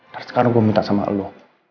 terus sekarang gue minta sama allah